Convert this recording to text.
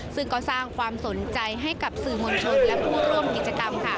ซึ่งก็สร้างความสนใจให้กับสื่อมวลชนและผู้ร่วมกิจกรรม